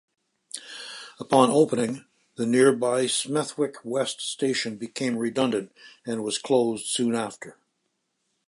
Upon opening, the nearby Smethwick West station became redundant and was closed soon after.